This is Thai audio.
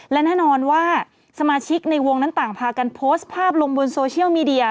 และแน่นอนว่าสมาชิกในวงนั้นต่างพากันโพสต์ภาพลงบนโซเชียลมีเดีย